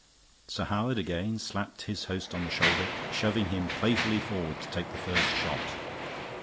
Sir Howard again slapped his host on the shoulder, shoving him playfully forward to take the first shot.